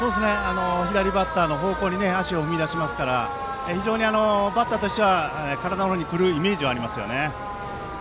左バッターの方向に足を踏み出しますから非常にバッターとしては体の方に来るイメージはあります。